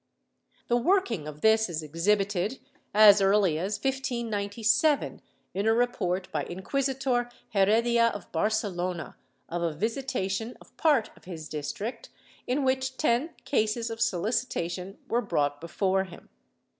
The working of this is exhibited, as early as 1597, in a report by Inquisitor Heredia of Barcelona of a visitation of part of his district, in which ten cases of sohcitation were brought before him.